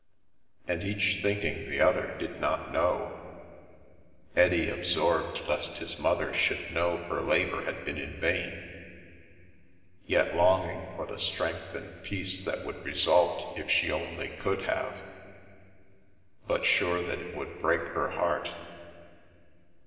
And each thinking the other did not know — Eddie absorbed lest his mother should know her labour had been in vain, yet longing for the strength and peace that would result if she only could have, but sure that it would break her heart.